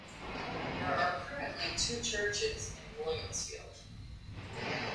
There are currently two Churches in Williamsfield.